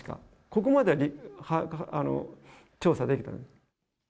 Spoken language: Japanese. ここまでは調査できた。